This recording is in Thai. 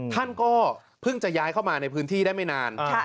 ท่านก็เพิ่งจะย้ายเข้ามาในพื้นที่ได้ไม่นาน